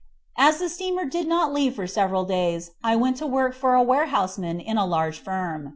As the steamer did not leave for several days, I went to work for a warehouseman in a large firm.